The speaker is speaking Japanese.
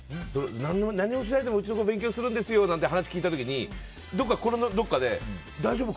何もしないでもうちの子勉強するんですよって話を聞いた時に、心のどこかで大丈夫か？